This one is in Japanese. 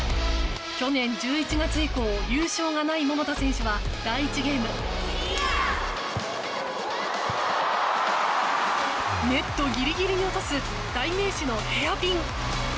去年１１月以降優勝がない桃田選手は第１ゲームネットギリギリに落とす代名詞のヘアピン。